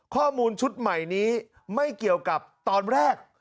ข้อมูลชุดใหม่นี้ไม่เกี่ยวกับตอนแรก